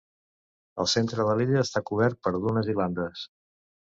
El centre de l'illa està cobert per dunes i landes.